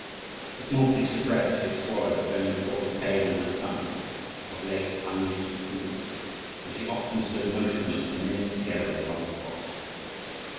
The small piece of bread she had swallowed only caused a pain in her stomach, of late unused to food; and she often stood motionless for minutes together in one spot.